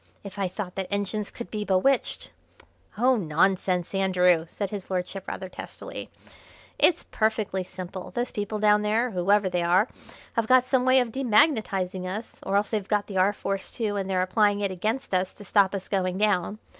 If I thought that engines could be bewitched " "Oh, nonsense, Andrew!" said his lordship rather testily. "It's perfectly simple: those people down there, whoever they are, have got some way of demagnetising us, or else they've got the R. Force too, and they're applying it against us to stop us going down.